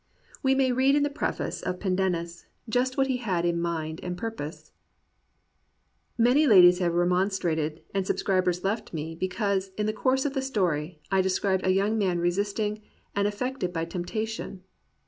We may read in the preface to Pendennis just what he had in mind and purpose: "Many ladies have remonstrated and subscribers left me, because, in the course of the story, I de scribed a young man resisting and affected by temp tation.